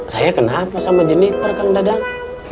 saya kenapa sama jeniper kang dadang